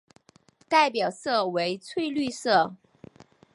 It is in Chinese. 代表色为翠绿色。